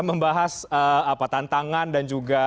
membahas tantangan dan juga